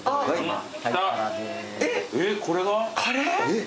えっ？